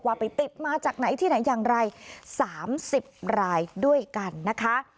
ไปติดมาจากไหนที่ไหนอย่างไร๓๐รายด้วยกันนะคะ